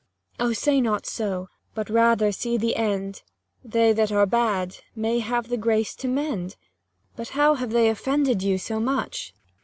Cor. O, say not so, but rather see the end ; They that are bad, may have the grace to mend : But how have they offended you so much